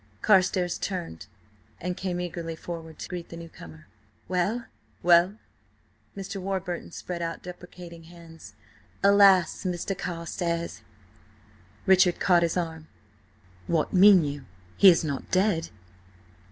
Carstares turned and came eagerly forward to greet the newcomer. "Well? Well?" Mr. Warburton spread out deprecating hands. "Alas! Mr. Carstares." Richard caught his arm. "What mean you? He is not–dead?"